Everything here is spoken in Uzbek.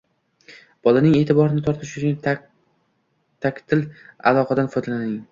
Bolaning e’tiborini tortish uchun taktil aloqadan foydalaning